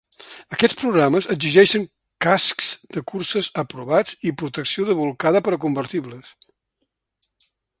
Aquests programes exigeixen cascs de curses aprovats i protecció de bolcada per a convertibles.